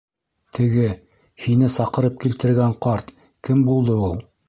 - Теге... һине саҡырып килтергән ҡарт кем булды ул?